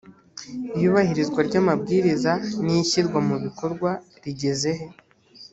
iyubahirizwa ry amabwiriza n ishyirwa mubikorwa rigeze he